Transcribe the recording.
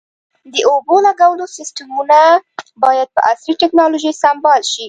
د اوبو لګولو سیستمونه باید په عصري ټکنالوژۍ سنبال شي.